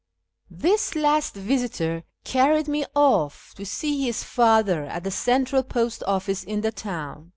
This last visitor carried me off to see his father at the Central Post Ofl&ce in the town.